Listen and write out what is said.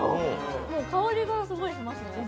香りがすごいしますね。